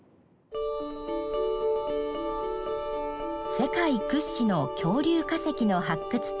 世界屈指の恐竜化石の発掘地